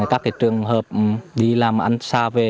các trường hợp đi làm ăn xa về